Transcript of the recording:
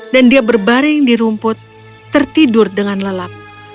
dan dia berbaring di rumput tertidur dengan lelap